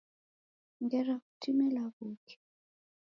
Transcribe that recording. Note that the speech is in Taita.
Ngera kutime law'uke.